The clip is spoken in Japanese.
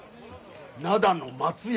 灘の松屋。